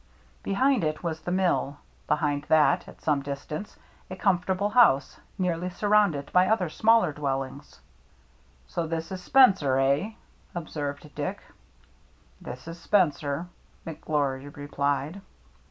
Behind it was the mill ; behind that, at some distance, a comfortable house, nearly surrounded by other smaller dwellings. " So this is Spencer, eh ?" observed Dick. "This is Spencer," McGlory replied.